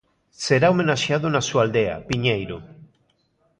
Será homenaxeado na súa aldea, Piñeiro.